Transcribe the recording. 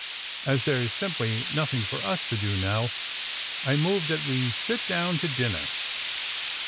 ^^As there's simply nothing for us to do now I move that we sit down to dinner."